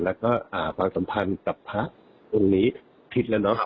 แล้วก็ความสัมพันธ์กับพระพุทธตรงนี้พิศแล้วนะ